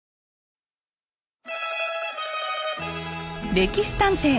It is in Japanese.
「歴史探偵」